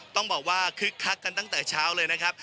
ต้องบอกว่าคึกคักกันตั้งแต่เช้าเลยนะครับ